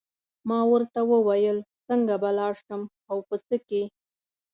ما ورته وویل څنګه به لاړ شم او په څه کې.